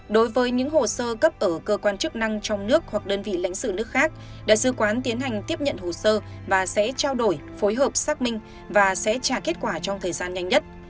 đối với những hồ sơ cấp ở cơ quan chức năng trong nước hoặc đơn vị lãnh sự nước khác đại sứ quán tiến hành tiếp nhận hồ sơ và sẽ trao đổi phối hợp xác minh và sẽ trả kết quả trong thời gian nhanh nhất